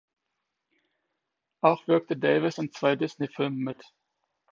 Auch wirkte Davis in zwei Disney-Filmen mit.